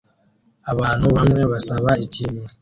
Abantu bamwe basaba ikintu